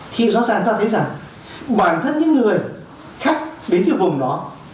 khi rõ ràng ta thấy rằng bản thân những người khách đến vùng đó